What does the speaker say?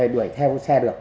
đuổi theo xe được